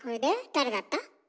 誰だった？